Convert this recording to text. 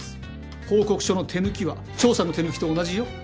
報告書の手抜きは調査の手抜きと同じよ。